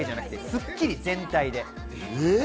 『スッキリ』全体で。